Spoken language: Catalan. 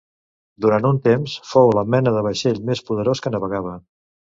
Durant un temps fou la mena de vaixell més poderós que navegava.